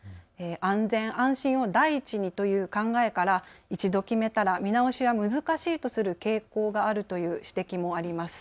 安全安心を第一にという考えから一度決めたら見直しは難しいとする傾向があるという指摘もあります。